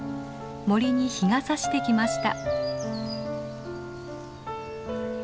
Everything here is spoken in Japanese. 森に日がさしてきました。